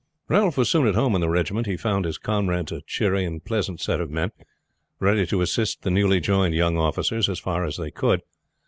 Ralph was soon at home in the regiment. He found his comrades a cheery and pleasant set of men, ready to assist the newly joined young officers as far as they could.